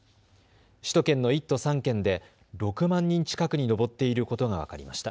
首都圏の１都３県で６万人近くに上っていることが分かりました。